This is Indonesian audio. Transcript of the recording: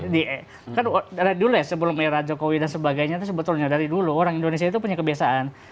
dulu ya sebelum era jokowi dan sebagainya sebetulnya dari dulu orang indonesia itu punya kebiasaan